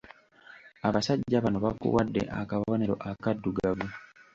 Abasajja bano bakuwadde akabonero akaddugavu.